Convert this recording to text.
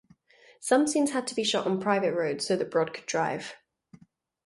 Some scenes had to be shot on private roads so that Brod could drive.